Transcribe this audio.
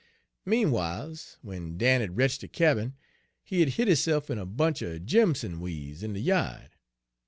"Meanw'iles, w'en Dan had retch' de cabin, he had hid hisse'f in a bunch er jimson weeds in de ya'd.